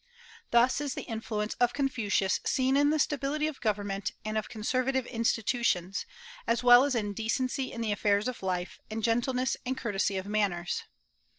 Thus is the influence of Confucius seen in the stability of government and of conservative institutions, as well as in decency in the affairs of life, and gentleness and courtesy of manners.